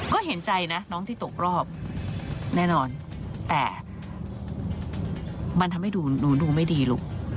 ก็เห็นใจนะน้องที่ตกรอบแน่นอนแต่มันทำให้ดูไม่ดีลูก